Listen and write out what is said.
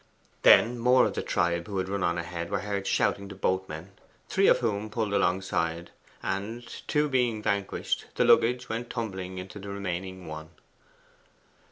Then more of the same tribe, who had run on ahead, were heard shouting to boatmen, three of whom pulled alongside, and two being vanquished, the luggage went tumbling into the remaining one.